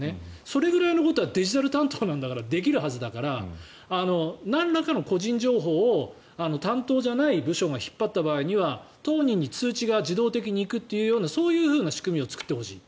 それぐらいのことはデジタル担当なんだからできるはずだからなんらかの個人情報を担当じゃない部署が引っ張った場合には当人に通知が自動的に行くというようなそういうふうな仕組みを作ってほしい。